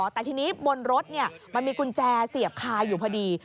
แต่ทีนี้บนรถมันมีกุญแจเสียบคาอยู่พอดี